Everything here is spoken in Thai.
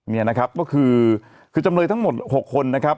นี่นะครับก็คือจำเลยทั้งหมด๖คนนะครับ